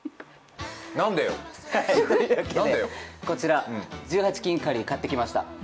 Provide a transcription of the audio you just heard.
こちら１８禁カレー、買ってきました。